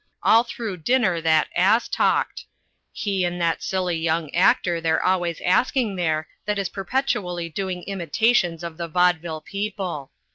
All through dinner that ass talked he and that silly young actor they're always asking there that is perpetually doing imitations of the vaudeville people.